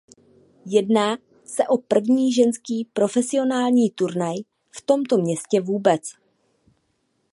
Jedná se o první ženský profesionální turnaj v tomto městě vůbec.